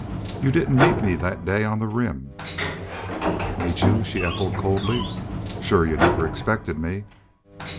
You didn't meet me that day on the Rim." "Meet y'u!" she echoed, coldly. "Shore y'u never expected me?"